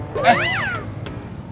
sampai jumpa lagi